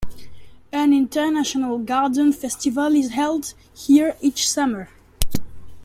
An International Garden Festival is held here each summer.